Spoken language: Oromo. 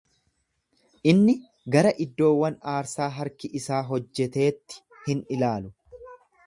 Inni gara iddoowwan aarsaa harki isaa hojjeteetti hin ilaalu.